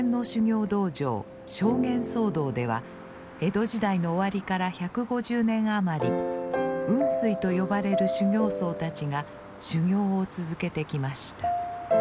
正眼僧堂では江戸時代の終わりから１５０年余り雲水と呼ばれる修行僧たちが修行を続けてきました。